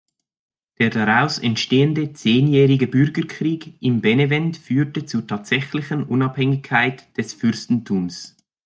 Der daraus entstehende zehnjährige Bürgerkrieg in Benevent führte zur tatsächlichen Unabhängigkeit des Fürstentums.